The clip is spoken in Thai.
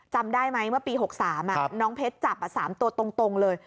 จำได้ไหมเมื่อปี๖๓น้องเพชรจับ๓ตัวตรงเลย